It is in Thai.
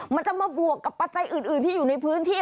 มันจะมาบวกกับปัจจัยอื่นที่อยู่ในพื้นที่